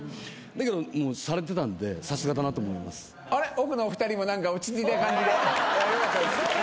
奥のお二人も何か落ち着いた感じで。